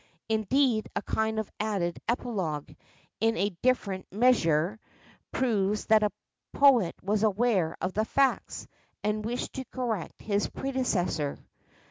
Indeed a kind of added epilogue, in a different measure, proves that a poet was aware of the facts, and wished to correct his predecessor.